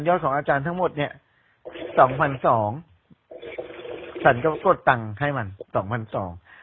ของอาจารย์ทั้งหมดเนี้ยสองพันสองฉันก็กดตังค์ให้มันสองพันสอง